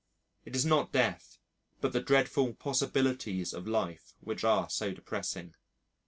It is not death but the dreadful possibilities of life which are so depressing.